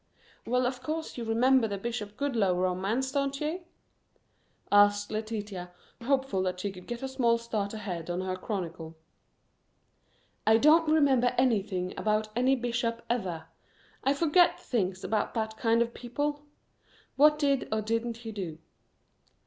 "Well, of course you remember the Bishop Goodloe romance, don't you?" asked Letitia, hopeful that she could get a small start ahead on her chronicle. "I don't remember anything about any bishop, ever. I forget things about that kind of people. What did, or didn't he do?"